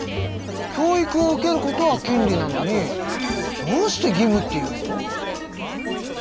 教育を受けることは権利なのにどうして義務っていうの？